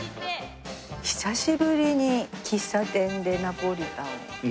久しぶりに喫茶店でナポリタン。